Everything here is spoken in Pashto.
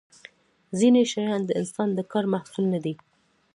ځینې شیان د انسان د کار محصول نه دي.